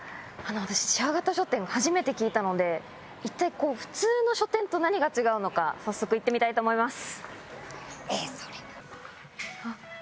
私、シェア型書店、初めて聞いたので一体普通の書店と何が違うのか、早速行ってみたいと思います。